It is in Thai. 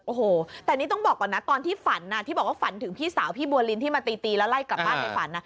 โอ้โหแต่นี่ต้องบอกก่อนนะตอนที่ฝันที่บอกว่าฝันถึงพี่สาวพี่บัวลินที่มาตีตีแล้วไล่กลับบ้านในฝัน